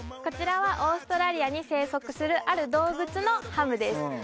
こちらはオーストラリアに生息するある動物のハムです